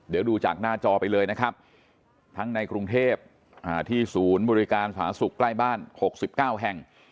เดี๋ยวดูจากหน้าจอไปเลยนะครับทั้งในกรุงเทพที่ศูนย์บริการสาธารณสุขใกล้บ้าน๖๙แห่ง